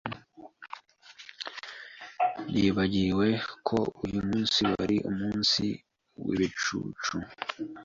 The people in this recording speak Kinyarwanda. Nibagiwe ko uyumunsi wari umunsi wibicucu.